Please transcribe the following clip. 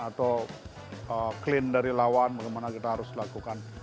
atau clean dari lawan bagaimana kita harus lakukan